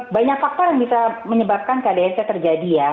banyak faktor yang bisa menyebabkan kdrt terjadi ya